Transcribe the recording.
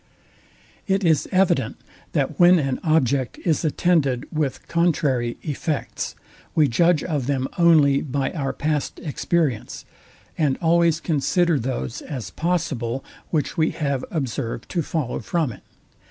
It is evident, that when an object is attended with contrary effects, we judge of them only by our past experience, and always consider those as possible, which we have observed to follow from it.